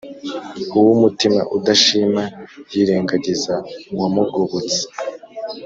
uw’umutima udashima yirengagiza uwamugobotse.